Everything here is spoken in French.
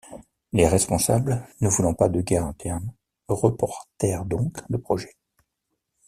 Les responsables, ne voulant pas de guerres internes, reportèrent donc le projet.